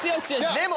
でも。